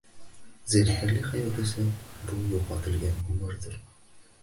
Zerikarli hayot esa bu yo‘qotilgan umrdir.